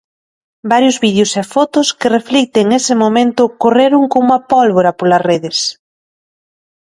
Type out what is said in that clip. Varios vídeos e fotos que reflicten ese momento correron coma a pólvora polas redes.